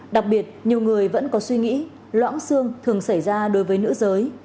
đặc biệt nhiều người vẫn có suy nghĩ loãng xương thường xảy ra đối với nữ giới